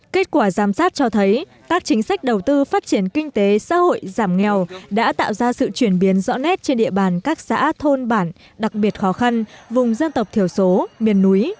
kết quả giám sát cho thấy các chính sách đầu tư phát triển kinh tế xã hội giảm nghèo đã tạo ra sự chuyển biến rõ nét trên địa bàn các xã thôn bản đặc biệt khó khăn vùng dân tộc thiểu số miền núi